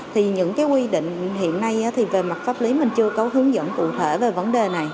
thì những cái quy định hiện nay thì về mặt pháp lý mình chưa có hướng dẫn cụ thể về vấn đề này